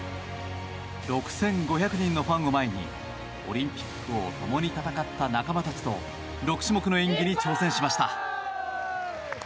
６５００人のファンを前にオリンピックを共に戦った仲間たちと６種目の演技に挑戦しました。